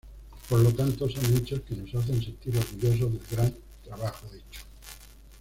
Por lo tanto son hechos que nos hacen sentir orgullosos del gran trabajo hecho.